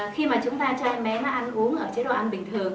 khi mà chúng ta cho anh bé nó ăn uống ở chế độ ăn bình thường